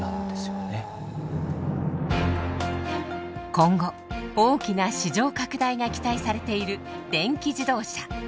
今後大きな市場拡大が期待されている電気自動車。